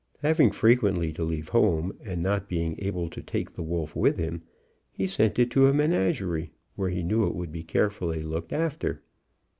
Having frequently to leave home, and not being able to take the wolf with him, he sent it to a menagerie, where he knew it would be carefully looked after.